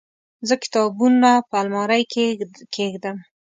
زه کتابونه په المارۍ کې کيږدم.